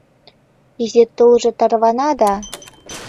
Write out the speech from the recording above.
Изи тулжо тарвана да